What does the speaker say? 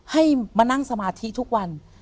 ให้มานั่งสมาธิทุกวัน